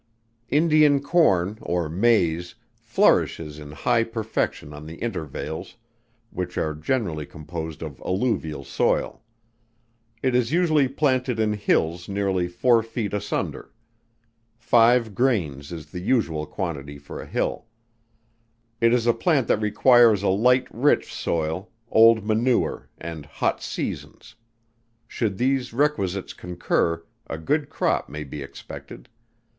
Indian Corn or Maize, flourishes in high perfection on the intervales, which are generally composed of alluvial soil. It is usually planted in hills nearly four feet asunder. Five grains is the usual quantity for a hill. It is a plant that requires a light rich soil, old manure, and hot seasons; should these requisites concur, a good crop may be expected.